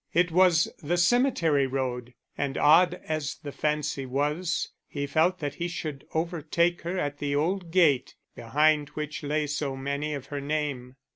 It was the cemetery road, and odd as the fancy was, he felt that he should overtake her at the old gate, behind which lay so many of her name.